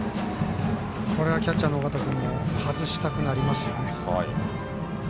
これはキャッチャーの尾形君も外したくなりますよね。